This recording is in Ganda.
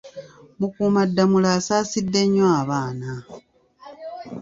Mukuumaddamula asaasidde nnyo abaana.